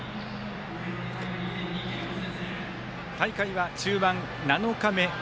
大会は中盤７日目。